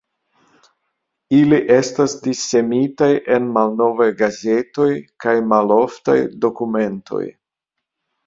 Ili estas dissemitaj en malnovaj gazetoj kaj maloftaj dokumentoj.